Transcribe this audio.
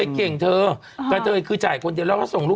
แล้วแล้วอะไรเอาลงสิเอาลงสิ